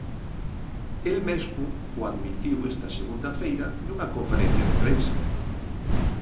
El mesmo o admitiu esta segunda feira nunha conferencia de prensa.